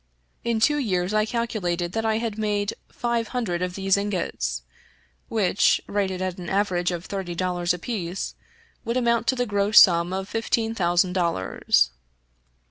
In two years I calculated that I had made five hundred of these ingots, which, rated at an average of thirty dollars apiece, would amount to the gross sum of fifteen thousand dollars.